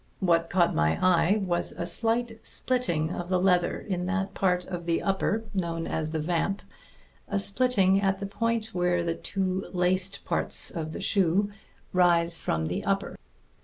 What caught my eye was a slight splitting of the leather in that part of the upper known as the vamp, a splitting at the point where the two laced parts of the shoe rise from the upper.